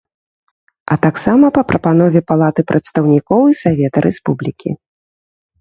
А таксама па прапанове Палаты прадстаўнікоў і Савета Рэспублікі.